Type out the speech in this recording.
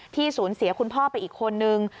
ที่ศูนย์เสียคุณพ่อไปอีกคนนึง